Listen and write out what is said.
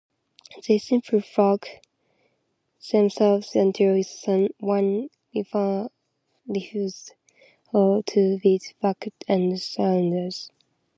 They simply flog themselves until one refuses to beat back and surrenders.